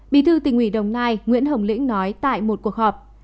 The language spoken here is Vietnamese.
bí thư tỉnh ủy đồng nai nguyễn hồng lĩnh nói tại một cuộc họp